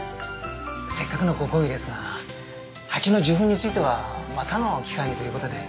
せっかくのご講義ですが蜂の受粉についてはまたの機会にという事で。